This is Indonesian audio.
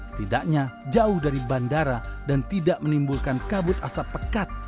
setidaknya jauh dari bandara dan tidak menimbulkan kabut asap pekat